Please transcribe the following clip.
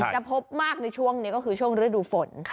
จะพบมากในช่วงนี้ก็คือช่วงฤดูฝน